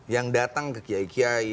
yang datang ke kiai kiai